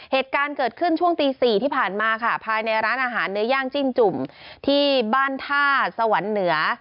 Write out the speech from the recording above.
เหตุการณ์เกิดขึ้นช่วงตี๔ที่ผ่านมาค่ะภายในร้านอาหารเนื้อย่างจิ้งจุ่มที่บ้านท่าสวรรค์เหนือ